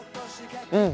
うん！